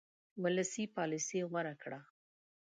ویلسلي پالیسي غوره کړه.